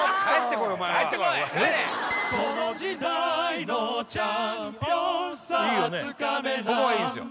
ここはいいんですよ・